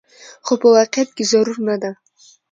خو په واقعيت کې ضرور نه ده